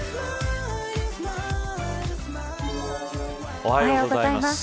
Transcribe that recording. おはようございます。